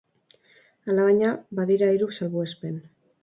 Alabaina, badira hiru salbuespen.